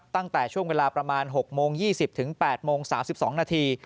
ตั้งแต่ช่วงเวลาประมาณ๖โมง๒๐๘โมง๓๒นาที